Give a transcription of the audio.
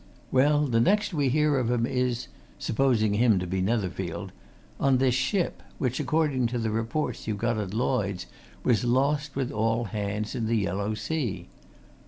Well, the next we hear of him is supposing him to be Netherfield on this ship, which, according to the reports you got at Lloyds, was lost with all hands in the Yellow Sea.